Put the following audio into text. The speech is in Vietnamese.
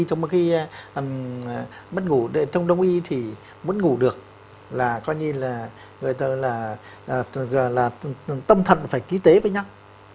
thông đồng ý thì mất ngủ được là coi như là tâm thận phải ký tế với nhau